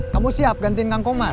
kamu siap gantiin kang komar